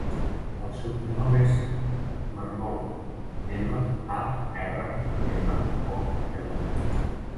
El seu cognom és Marmol: ema, a, erra, ema, o, ela.